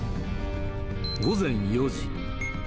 午前４時。